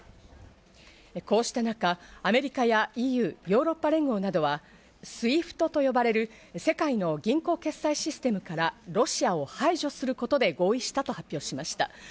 こうした中、アメリカやＥＵ＝ヨーロッパ連合などは、ＳＷＩＦＴと呼ばれる世界の銀行計算システムからロシアを排除することで合意したと発表しました。